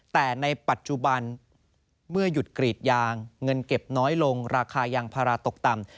แต่ในปัจจุบันเมื่อหยุดกรีดยางเงินเก็บน้อยลงราคายางพาราตกต่ำ